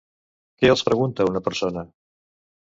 Què els pregunta una persona?